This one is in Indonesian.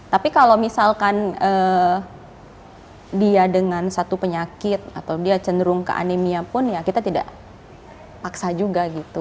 tapi kalau misalkan dia dengan satu penyakit atau dia cenderung ke anemia pun ya kita tidak paksa juga gitu